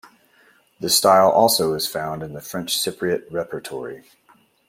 The style also is found in the French Cypriot repertory.